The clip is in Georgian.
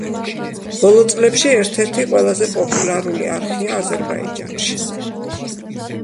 ბოლო წლებში ერთ-ერთი ყველაზე პოპულარული არხია აზერბაიჯანში.